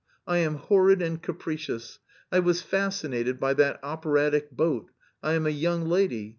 I am horrid and capricious, I was fascinated by that operatic boat, I am a young lady...